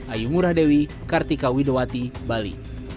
ayu ngurah dewi kartika widowati bali